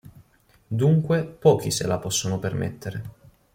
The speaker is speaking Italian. Dunque, pochi se la possono permettere.